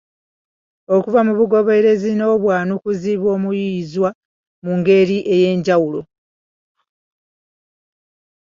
Okuva ku bugoberezi n’obwanukuzi bw’omuyiiyizwa mu ngeri ey’enjawulo.